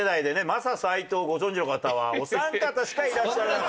マサ斎藤をご存じの方はお三方しかいらっしゃらない。